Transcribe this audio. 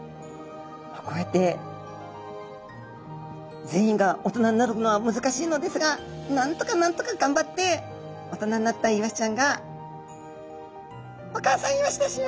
こうやって全員が大人になるのは難しいのですがなんとかなんとか頑張って大人になったイワシちゃんがお母さんイワシですよ